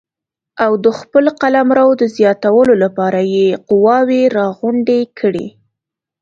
او د خپل قلمرو د زیاتولو لپاره یې قواوې راغونډې کړې.